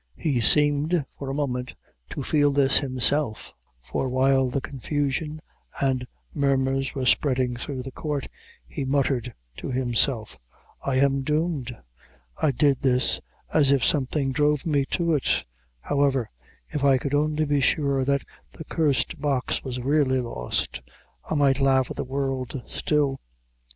He seemed, for a moment, to feel this himself; for while the confusion and murmurs were spreading through the court, he muttered to himself "I am doomed; I did this, as if something drove me to it; however, if I could only be sure that the cursed box was really lost, I might laugh at the world still."